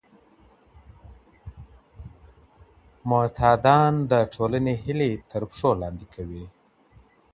معتادان د ټولنې هیلې تر پښو لاندې کوي.